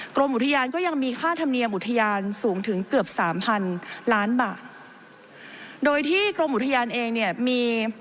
กรมอุทยานก็ยังมีค่าธรรมเนียมอุทยานสูงถึงเกือบสามพันล้านบาทโดยที่กรมอุทยานเองเนี่ยมี